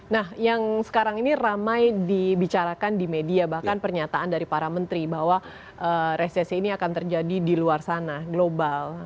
nah yang sekarang ini ramai dibicarakan di media bahkan pernyataan dari para menteri bahwa resesi ini akan terjadi di luar sana global